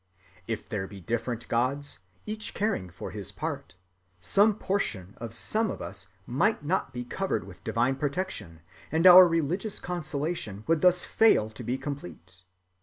If there be different gods, each caring for his part, some portion of some of us might not be covered with divine protection, and our religious consolation would thus fail to be complete.